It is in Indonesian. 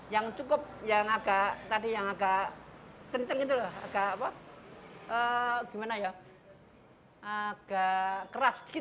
yang cukup yang agak tadi yang agak kencang gitu loh agak gimana ya agak keras